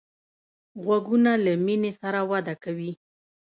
غوږونه له مینې سره وده کوي